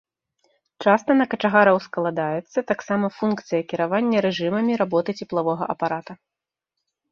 Часта на качагара ускладаецца таксама функцыя кіравання рэжымамі работы цеплавога апарата.